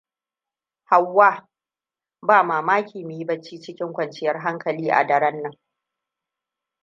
Hauwa! Ba mamaki mu yi bacci cikin kwanyar hankali a daren nan.